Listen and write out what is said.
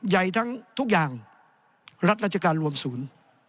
ใหญ่ทั้งทุกอย่างรัฐราชการรวมศูนย์